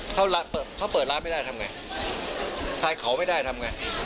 เขาเปิดร้านไม่ได้ทำไงขายเขาไม่ได้ทำไง